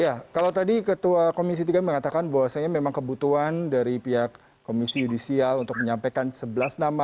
ya kalau tadi ketua komisi tiga mengatakan bahwasannya memang kebutuhan dari pihak komisi yudisial untuk menyampaikan sebelas nama